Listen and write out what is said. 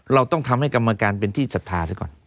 เราต้องทำให้กรรมการเป็นที่ศรัทธาซะก่อน